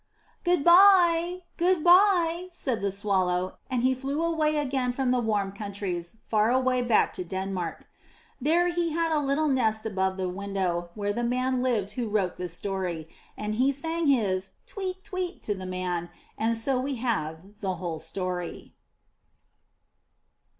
'' "Good bye, good bye," said the Swallow, and he flew away again from the warm countries, far away back to Denmark. There he had a little nest above the window where the man lived who wrote this story, and he sang his "tweet, tweet" to the man, and so we have the whole story.